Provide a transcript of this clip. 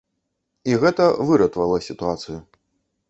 І гэта выратавала сітуацыю.